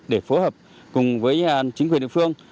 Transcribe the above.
để phối hợp cùng với chính quyền địa phương